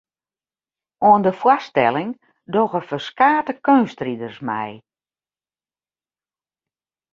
Oan de foarstelling dogge ferskate keunstriders mei.